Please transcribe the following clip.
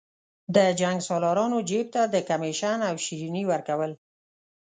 د جنګسالارانو جیب ته د کمېشن او شریني ورکول.